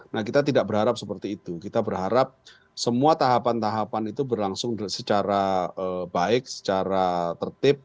nah kita tidak berharap seperti itu kita berharap semua tahapan tahapan itu berlangsung secara baik secara tertib